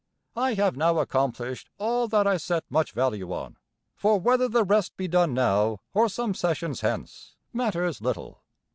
I have now accomplished all that I set much value on; for whether the rest be done now, or some sessions hence, matters little.